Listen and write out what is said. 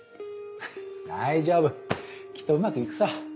大丈夫きっとうまく行くさ。